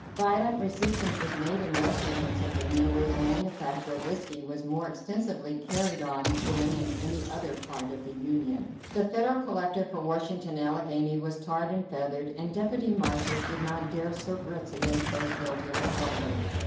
Violent resistance was made in western Pennsylvania, where the manufacture of whiskey was more extensively carried on than in any other part of the Union. The federal collector for Washington and Allegheny was tarred and feathered, and deputy marshals did not dare serve writs against those guilty of the outrage.